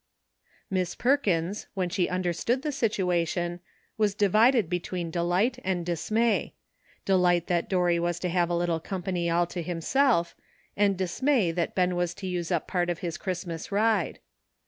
Miss Perkins, when she understood the situ ation, was divided between delight and dismay — delight that Dorry was to have a little com 832 ''LUCK.'' pany all lo himself, and dismay that Ben was to use up part of his Christmas ride.